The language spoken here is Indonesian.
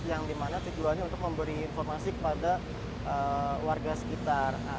yang dimana tujuannya untuk memberi informasi kepada warga sekitar